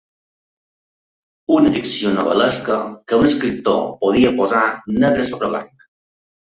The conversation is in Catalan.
Una ficció novel·lesca que un escriptor podia posar negre sobre blanc.